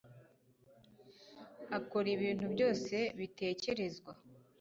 akora ibintu byose bitekerezwa